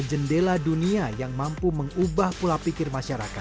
jendela dunia yang mampu mengubah pula pikir masyarakat